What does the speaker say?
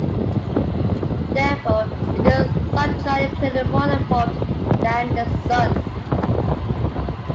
Therefore, it is a subgiant clearly more evolved than the Sun.